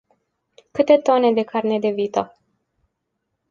Câte tone de carne de vită?